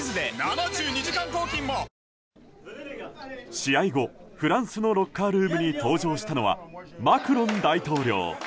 試合後フランスのロッカールームに登場したのはマクロン大統領。